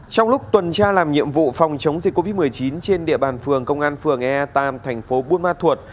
trong lúc tuần tra làm nhiệm vụ phòng chống dịch covid một mươi chín trên địa bàn phường công an phường ea ba tp buôn ma thuột